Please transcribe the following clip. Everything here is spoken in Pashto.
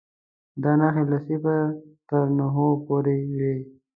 دا نښې له صفر تر نهو پورې وې.